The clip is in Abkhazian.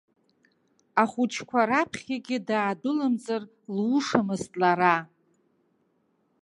Ахәыҷқәа раԥхьагьы даадәылымҵыр лушамызт лара.